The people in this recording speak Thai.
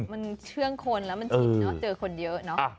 มันเชื่องคนแล้วมันชินเนอะเจอคนเยอะเนอะ